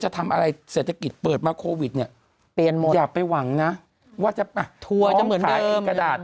จะทำอะไรเศรษฐกิจเปิดมาโควิดเนี่ยอย่าไปหวังนะว่าจะพร้อมขายอีกกระดาษ